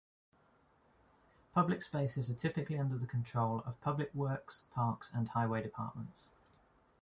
Public spaces are typically under the control of public works, parks, and highway departments.